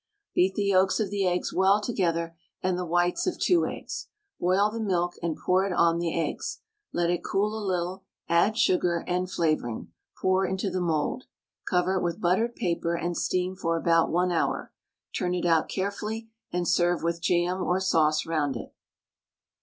Beat the yolks of the eggs well together and the whites of 2 eggs. Boil the milk and pour it on the eggs, let it cool a little, add sugar and flavouring. Pour into the mould. Cover it with buttered paper and steam for about 1 hour. Turn it out carefully, and serve with jam or sauce round it.